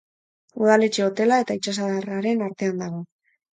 Udaletxe, hotela eta itsasadarraren artean dago.